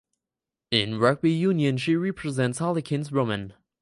In rugby union she represents Harlequins Women.